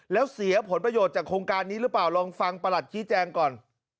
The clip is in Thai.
แล้วเสียผลประโยชน์จากโครงการนี้หรือเปล่าลองฟังประหลัดชี้แจงก่อน